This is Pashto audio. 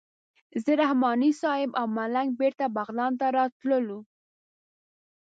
زه رحماني صیب او ملنګ بېرته بغلان ته راتللو.